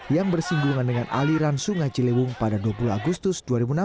yang bersinggungan dengan aliran sungai ciliwung pada dua puluh agustus dua ribu enam belas